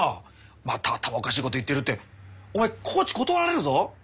また頭おかしいこと言ってるってお前コーチ断られるぞ！